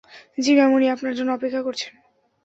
জ্বি ম্যাম, উনি আপনার জন্য অপেক্ষা করছেন।